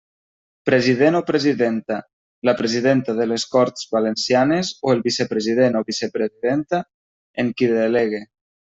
President o presidenta: la presidenta de les Corts Valencianes o el vicepresident o vicepresidenta en qui delegue.